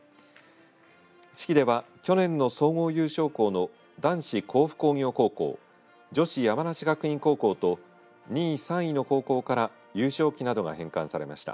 式では去年の総合優勝校の男子、甲府工業高校女子、山梨学院高校と２位、３位の高校から優勝旗などが返還されました。